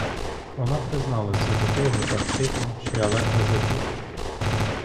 Вона призналася до того так тихо, що я ледве зачув.